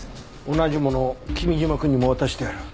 同じものを君嶋くんにも渡してある。